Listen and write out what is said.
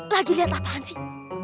lagi liat apaan sih